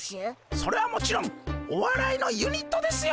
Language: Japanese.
それはもちろんおわらいのユニットですよ。